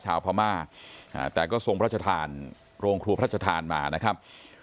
ชาวพม่าแต่ก็ทรงพระชธานโรงครัวพระชธานมานะครับ